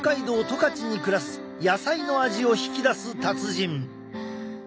十勝に暮らす野菜の味を引き出す達人。